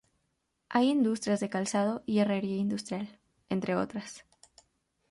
Hay industrias de calzado y herrería industrial, entre otras.